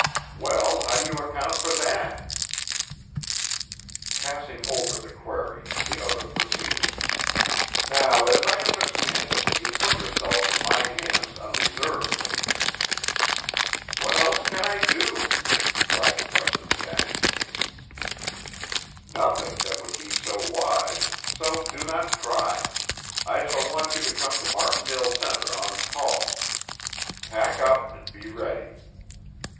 "Well, how do you account for that?" Passing over the query, the other proceeded: "Now, as I understand it, you put yourself in my hands unreservedly." "What else can I do?" cried Preston Jax. "Nothing that would be so wise. So do not try. I shall want you to come to Martindale Center on call. Pack up and be ready."